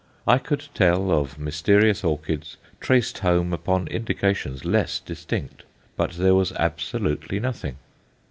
I could tell of mysterious orchids traced home upon indications less distinct. But there was absolutely nothing.